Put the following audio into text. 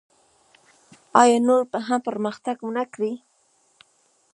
آیا نور هم پرمختګ ونکړي؟